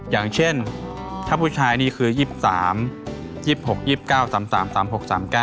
อย่างเช่นถ้าผู้ชายนี่คือยิบสามยิบหกยิบเก้าสามสามสามหกสามเก้า